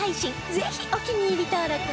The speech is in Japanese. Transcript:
ぜひお気に入り登録を！